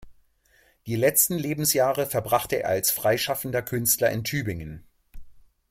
Die letzten Lebensjahre verbrachte er als freischaffender Künstler in Tübingen.